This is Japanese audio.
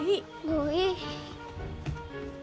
もういい。